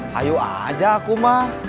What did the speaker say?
hayu aja aku mah